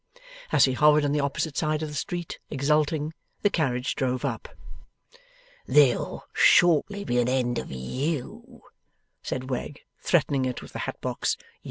As he hovered on the opposite side of the street, exulting, the carriage drove up. 'There'll shortly be an end of YOU,' said Wegg, threatening it with the hat box.